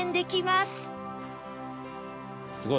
すごい。